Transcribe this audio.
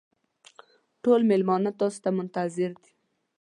ټول مېلمانه تاسو ته منتظر دي.